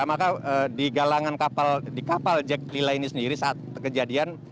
maka di galangan kapal di kapal jack lila ini sendiri saat kejadian